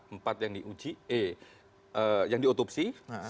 empat yang diuji e yang diotopsi